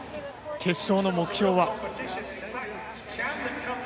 決勝の目標は？